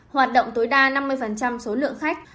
hoạt động tối đa năm mươi số lượng khách